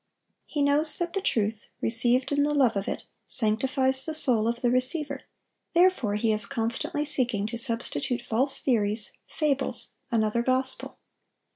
He knows that the truth, received in the love of it, sanctifies the soul of the receiver; therefore he is constantly seeking to substitute false theories, fables, another gospel.